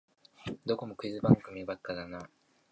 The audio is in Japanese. どこもクイズ番組ばっかだなあ